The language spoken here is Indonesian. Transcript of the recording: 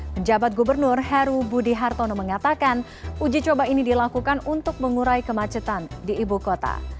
penjabat gubernur heru budi hartono mengatakan uji coba ini dilakukan untuk mengurai kemacetan di ibu kota